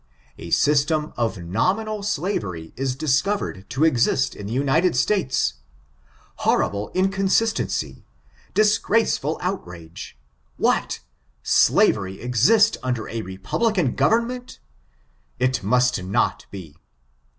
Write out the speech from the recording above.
A system of nominal slavery is discovered to exist in the United States. Ilorrible inconsistency ! Disgraceful outrage ! What ! Slavery exist under a republican government! It must not be.